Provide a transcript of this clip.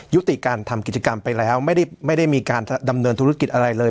ยุติการทำกิจกรรมไปแล้วไม่ได้มีการดำเนินธุรกิจอะไรเลย